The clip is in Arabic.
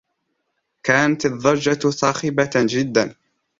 كانت الضّجّة صاخبة جدّا.